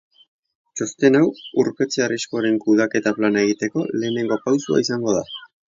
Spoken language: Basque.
Txosten hau urpetze arriskuaren kudeaketa plana egiteko lehenengo pausua izango da.